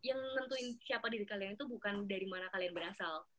yang nentuin siapa diri kalian itu bukan dari mana kalian berasal